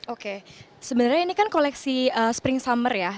oke sebenarnya ini kan koleksi spring summer ya